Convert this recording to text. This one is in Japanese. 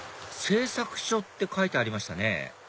製作所って書いてありましたね